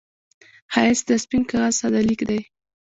ښایست د سپين کاغذ ساده لیک دی